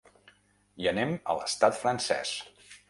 I anem a l’estat francès.